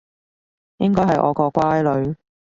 應該係我個乖女